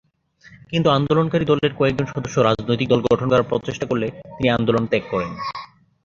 কিন্তু আন্দোলনকারী দলের কয়েকজন সদস্য রাজনৈতিক দল গঠন করার প্রচেষ্টা করলে তিনি আন্দোলন ত্যাগ করেন।